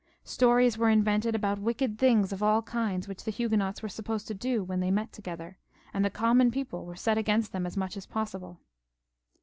Stories were invented about wicked things of all kinds which the Huguenots were supposed to do when they met together, and the common people were set against them as much as possible.